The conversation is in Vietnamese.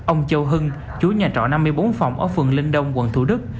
ông châu hưng chú nhà trọ năm mươi bốn phòng ở phường linh đông quận thủ đức